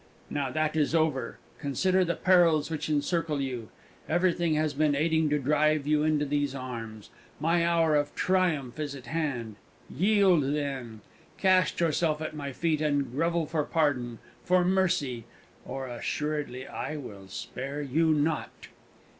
Now that is over! Consider the perils which encircle you. Everything has been aiding to drive you into these arms. My hour of triumph is at hand yield, then! Cast yourself at my feet, and grovel for pardon for mercy or assuredly I will spare you not!"